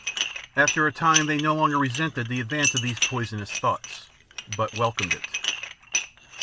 After a time they no longer resisted the advance of these poisonous thoughts, but welcomed it.